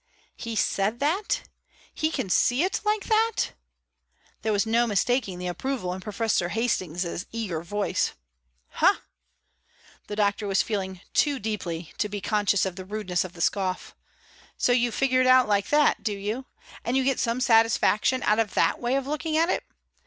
'" "He said that? He can see it like that?" there was no mistaking the approval in Professor Hastings' eager voice. "Huh!" the doctor was feeling too deeply to be conscious of the rudeness in the scoff. "So you figure it out like that do you? And you get some satisfaction out of that way of looking at it?